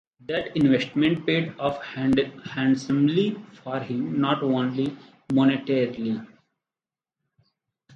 That investment paid off handsomely for him, not only monetarily.